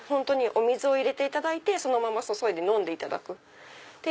お水を入れていただいてそのまま注いで飲んでいただく。